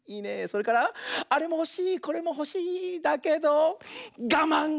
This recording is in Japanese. それからあれもほしいこれもほしいだけどがまん！